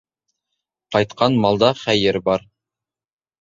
Ҡайтҡан малда хәйер бар.